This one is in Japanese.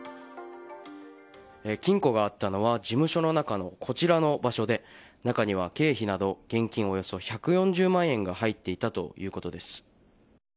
金庫があったのは事務所の中のこちらの場所で、中には経費など現金およそ１４０万円が入っていたということです。